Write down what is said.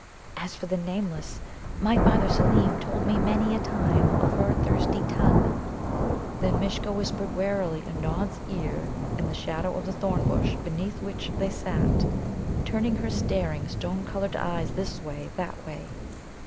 As for the Nameless, my father Seelem told me many a time of her thirsty tongue." Then Mishcha whispered warily in Nod's ear in the shadow of the thorn bush beneath which they sat, turning her staring stone coloured eyes this way, that way.